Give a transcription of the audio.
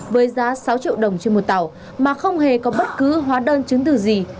với giá sáu triệu đồng trên một tàu mà không hề có bất cứ hóa đơn chứng từ gì